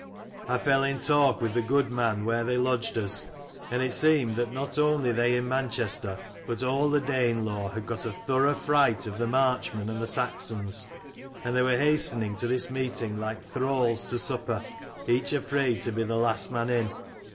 I fell in talk with the goodman where they lodged us, and it seemed that not only they in Manchester, but all the Danelaw, had got a thorough fright of the Marchmen and the Saxons, and they were hastening to this meeting like thralls to supper, each afraid to be last man in.